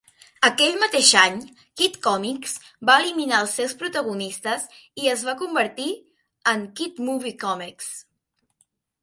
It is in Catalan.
Aquell mateix any, "Kid Komics" va eliminar els seus protagonistes i es va convertir en "Kid Movie Comics".